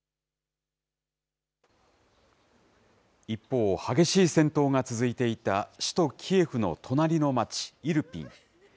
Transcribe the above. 一方、激しい戦闘が続いていた首都キエフの隣の町、イルピン。